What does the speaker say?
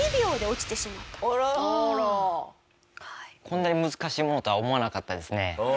こんなに難しいものとは思わなかったですねはい。